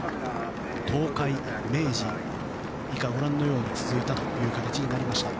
東海、明治、以下ご覧のように続いたという形になりました。